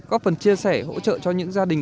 có phần chia sẻ hỗ trợ cho những gia đình